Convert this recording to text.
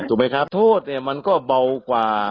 ถูกไหมครับโทษก็เบากว่า